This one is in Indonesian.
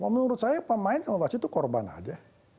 menurut saya pemain sama basis itu korban aja